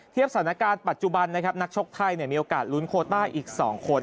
เทียบสถานการณ์ปัจจุบันนักชกไทยมีโอกาสลุนโคต้าอีก๒คน